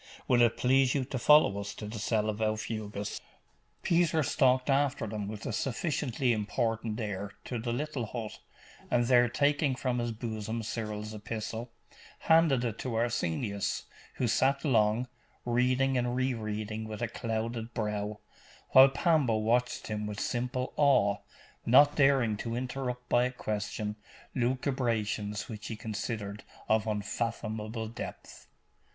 Will it please you to follow us to the cell of Aufugus?' Peter stalked after them with a sufficiently important air to the little hut, and there taking from his bosom Cyril's epistle, handed it to Arsenius, who sat long, reading and re reading with a clouded brow, while Pambo watched him with simple awe, not daring to interrupt by a question lucubrations which he considered of unfathomable depth.